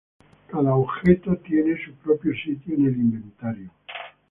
Cada objeto tiene su propio sitio en el inventario.